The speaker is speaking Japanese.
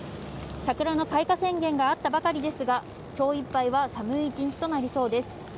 桜の開花宣言があったばかりですが今日いっぱいは寒い一日となりそうです。